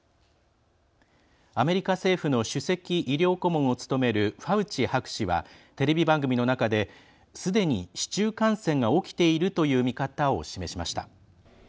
アメリカ政府の首席医療顧問を務めるファウチ博士はテレビ番組の中ですでに市中感染が起きているという見方を示しました。